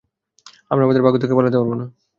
আমরা আমাদের ভাগ্য থেকে পালাতে পারবো না।